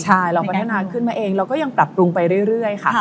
ใช่เราพัฒนาขึ้นมาเองเราก็ยังปรับปรุงไปเรื่อยค่ะ